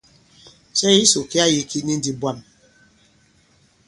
Cɛ kisò ki a yī ki ni ndī bwâm.